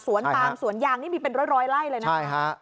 สวนตางสวนยางนี่มีเป็นร้อยไล่เลยนะครับ